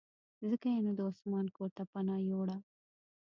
ځکه یې نو د عثمان کورته پناه یووړه.